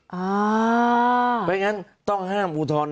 เพราะฉะนั้นต้องห้ามอุทธรณ์